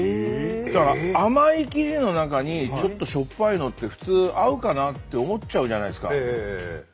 だから甘い生地の中にちょっとしょっぱいのって普通合うかな？って思っちゃうじゃないですか。